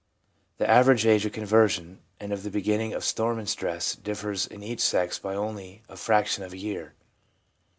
The average age of conversions and of the beginning of storm and stress differs in each sex by only a fraction of a year.